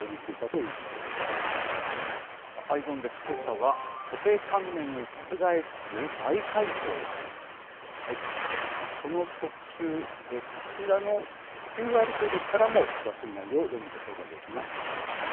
けさは、固定観念を覆す大改装でこの特集、こちらのＱＲコードからも詳しい内容を読むことができます。